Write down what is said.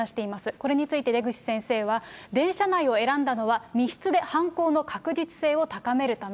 これについて、出口先生は、電車内を選んだのは、密室で犯行の確実性を高めるため。